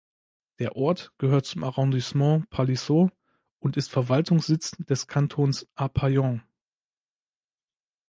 Der Ort gehört zum Arrondissement Palaiseau und ist Verwaltungssitz des Kantons Arpajon.